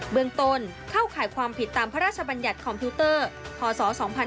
เมืองต้นเข้าข่ายความผิดตามพระราชบัญญัติคอมพิวเตอร์พศ๒๕๕๙